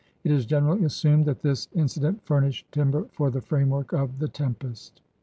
It is generally assumed that this inci dent furnished timber for the framework of The Tempest.